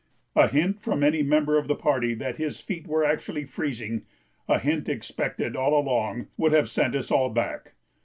A hint from any member of the party that his feet were actually freezing a hint expected all along would have sent us all back.